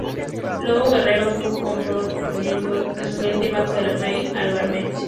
Lobo Guerrero fue un cyborg creado por Simon Ryker, presumiblemente bajo el Project: Alpha-Mech.